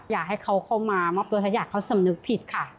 อยากให้เขาเข้ามามอบตัวถ้าอยากเขาสำนึกผิดค่ะ